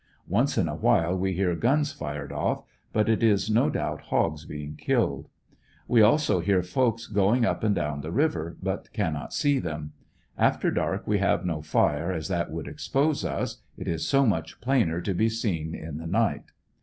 Once in a while we hear guns fired oJff, but it is no doubt hogs being killed. We also hear folks going up and down the river, but cannot see them. After dark we have no fire as that would expose us, it is so much plainer to be seen in the night.